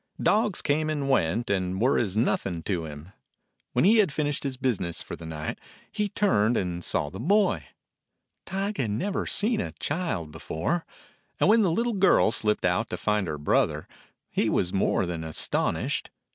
Dogs came and went and were as nothing to him. When he had finished his business for the night, he turned and saw the boy. Tige had never seen a child before. When the little girl slipped out to find her brother, he was more than astonished.